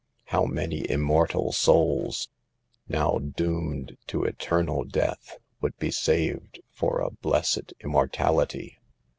How many immortal souls, now doomed to eternal 48 SAVE THE GIRLS. death, would be saved for a blessed immor tality!